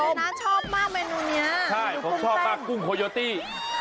โอ้โฮคุณเจน้าชอบมากเมนูนี้